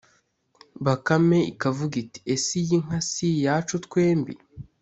bakame ikavuga iti ese iyi nka si iyacu twembi?